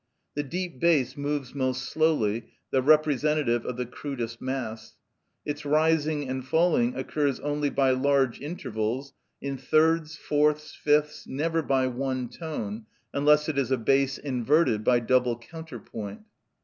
The deep bass moves most slowly, the representative of the crudest mass. Its rising and falling occurs only by large intervals, in thirds, fourths, fifths, never by one tone, unless it is a base inverted by double counterpoint.